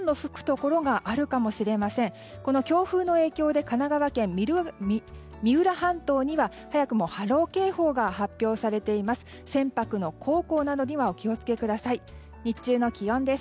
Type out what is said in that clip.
この強風の影響で神奈川県三浦半島には早くも波浪警報が発表されています。